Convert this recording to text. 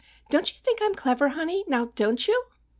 Don't you think I'm clever, honey? now, don't you?"